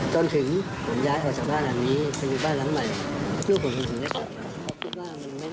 ต้นถึงย้ายออกออกจากที่บ้านหน้าหลังใหม่